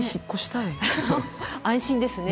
安心ですね。